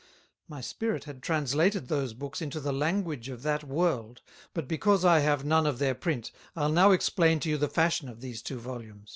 My Spirit had translated those Books into the Language of that World; but because I have none of their Print, I'll now explain to you the Fashion of these two Volumes.